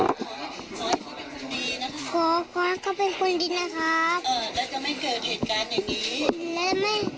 ขอให้พี่เป็นคนดีนะครับขอเขาเป็นคนจริงนะครับแล้วจะไม่เกิดเหตุการณ์อย่างนี้